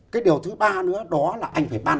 cái điều thứ ba nữa đó là anh phải ban